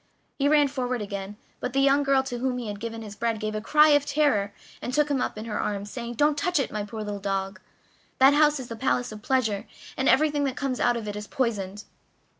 He ran forward to begin, but the young girl to whom he had given his bread gave a cry of terror and took him up in her arms, saying: "Don't touch it, my poor little dog that house is the palace of pleasure, and everything that comes out of it is poisoned!"